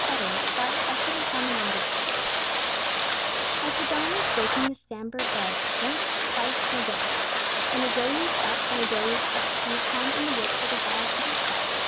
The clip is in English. Hunting Song of the Seeonee Pack As the dawn was breaking the Sambhur belled Once, twice and again! And a doe leaped up, and a doe leaped up From the pond in the wood where the wild deer sup.